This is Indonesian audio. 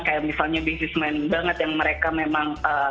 kayak misalnya bisnismen banget yang mereka memang